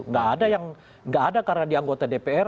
enggak ada yang enggak ada karena di anggota dpr